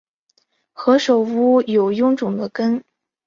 何首乌有臃肿的根